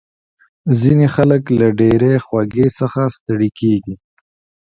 ځینې خلک له ډېرې خوږې څخه ستړي کېږي.